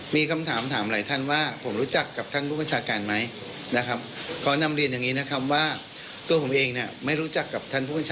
ไม่รู้จักกับท่านผู้ประชาการนะครับ